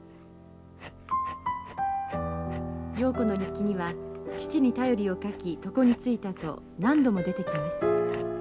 瑤子の日記には「父に便りを書き床についた」と何度も出てきます。